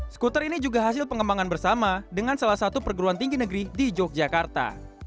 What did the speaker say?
skuter ini juga hasil pengembangan bersama dengan salah satu perguruan tinggi negeri di yogyakarta